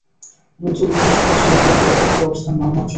বুদ্ধ ও খ্রীষ্ট হচ্ছেন উপলব্ধির এক একটি অবস্থার নামমাত্র।